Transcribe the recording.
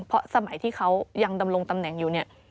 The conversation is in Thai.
เพราะสมัยที่เขายังดำรงตำแหน่งอยู่เนี่ย